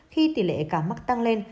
khi tỷ lệ ca mắc tăng lên